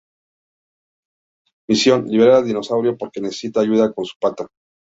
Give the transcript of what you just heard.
Misión: Liberar al dinosaurio porque necesita ayuda con su pata.